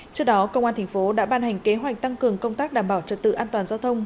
trước đó công an thành phố đã ban hành kế hoạch tăng cường công tác đảm bảo trật tự an toàn giao thông